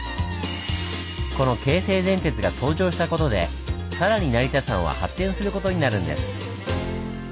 この京成電鉄が登場した事でさらに成田山は発展する事になるんです。